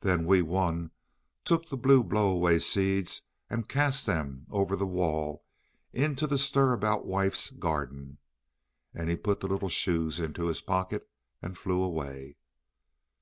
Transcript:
Then Wee Wun took the blue blow away seeds, and cast them over the wall into the Stir about Wife's garden. And he put the little shoes into his pocket, and flew away.